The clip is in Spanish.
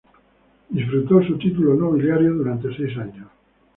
Disfrutó su título nobiliario durante seis años.